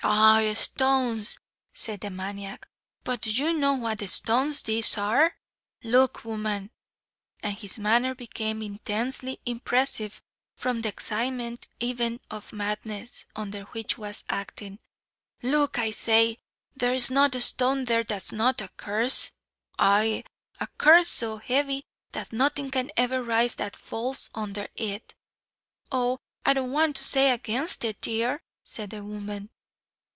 "Aye stones!" said the maniac; "but do you know; what stones these are? Look woman " and his manner became intensely impressive from the excitement even of madness, under which he was acting. "Look, I say there's not a stone there that's not a curse aye a curse so heavy that nothing can ever rise that falls under it." "Oh I don't want to say aginst it, dear," said the woman.